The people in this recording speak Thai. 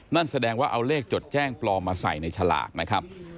นั่นแสดงว่าเอาเลขจดแจ้งปลอมมาใส่ในฉลากนะครับ